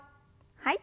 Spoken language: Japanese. はい。